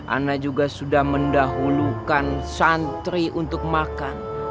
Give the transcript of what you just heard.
ana juga sudah mendahulukan santri untuk makan